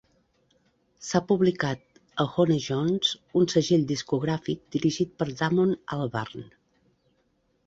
S'ha publicat a Honest Jon's, un segell discogràfic dirigit per Damon Albarn.